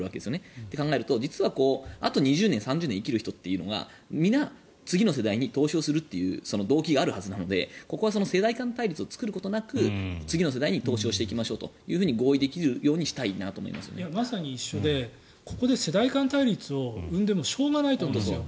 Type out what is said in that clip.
そう考えると実はあと２０年、３０年生きる人がみんな次の世代に投資する動機があるわけなのでここは世代間対立を作ることなく次の世代に投資していきましょうとまさに一緒でここで世代間対立を生んでも仕方ないと思うんですよ。